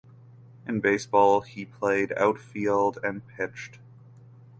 In baseball he played outfield and pitched.